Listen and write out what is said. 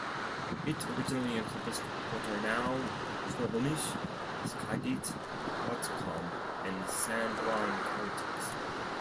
It originally encompassed what are now Snohomish, Skagit, Whatcom, and San Juan Counties.